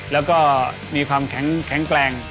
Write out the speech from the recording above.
แล้วก็มีความแข็งแกร่ง